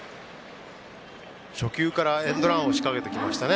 初球からエンドランを仕掛けてきましたね。